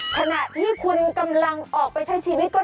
ขณะที่คุณกำลังออกไปใช้ชีวิตก็